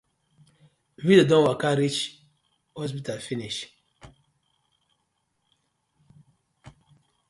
Victor don waka reach hospital finish.